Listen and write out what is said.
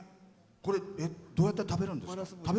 これどうやって食べるんですか？